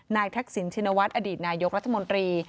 ทักษิณชินวัฒน์อดีตนายกรัฐมนตรี